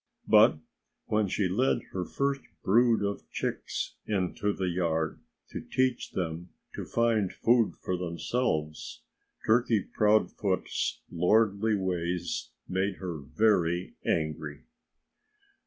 But when she led her first brood of chicks into the yard to teach them to find food for themselves, Turkey Proudfoot's lordly ways made her very angry.